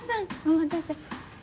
お待たせ。